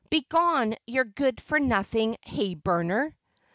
"Begone, you good for nothing hay burner!"